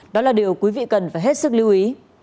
đó là điều quý vị cần phải hết sức lưu ý